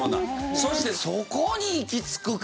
そして「そこに行き着くか！」。